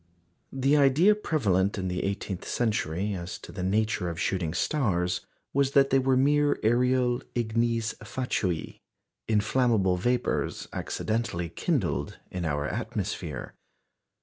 The idea prevalent in the eighteenth century as to the nature of shooting stars was that they were mere aerial ignes fatui inflammable vapours accidentally kindled in our atmosphere.